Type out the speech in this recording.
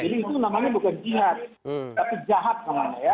jadi itu namanya bukan jihad tapi jahat namanya ya